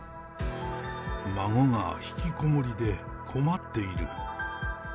孫が引きこもりで、困っている。